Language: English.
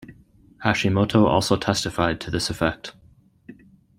Hashimoto also testified to this effect.